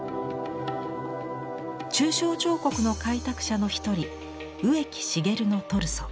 抽象彫刻の開拓者の一人植木茂の「トルソ」。